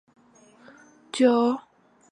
我还怕会等很久